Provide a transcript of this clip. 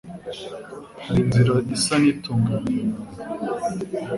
Hari inzira isa n’itunganiye umuntu